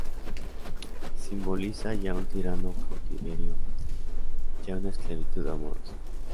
Simboliza, ya un tirano cautiverio, ya una esclavitud amorosa.